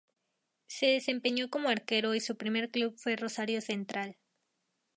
Se desempeñó como arquero y su primer club fue Rosario Central.